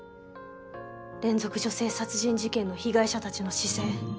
連続女性殺人事件の被害者たちの姿勢